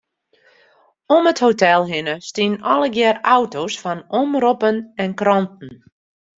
Om it hotel hinne stiene allegearre auto's fan omroppen en kranten.